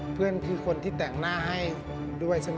เพื่อนคือคนที่แต่งหน้าให้ด้วยใช่ไหม